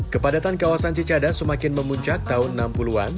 kepadatan kawasan cicada semakin memuncak tahun enam puluh an